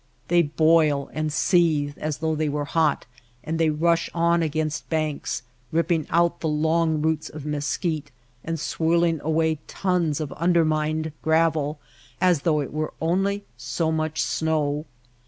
They boil and seethe as though they were hot ; and they rush on against banks, ripping out the long roots of mesquite, and swirling away tons of undermined gravel as though it were only so much snow.